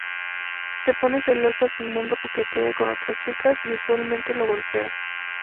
Se pone celosa si Mondo coquetea con otras chicas y usualmente lo golpea.